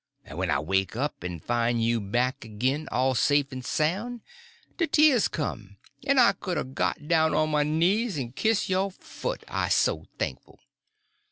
En when I wake up en fine you back agin, all safe en soun', de tears come, en I could a got down on my knees en kiss yo' foot, I's so thankful.